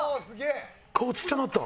顔ちっちゃなった！